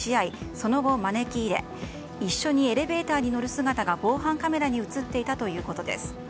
その後、招き入れ一緒にエレベーターに乗る姿が防犯カメラに映っていたということです。